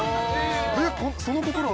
えっ、その心は？